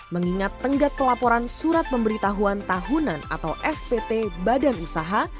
mengingat tenggat pelaporan surat pemberitahuan tahunan atau spt badan usaha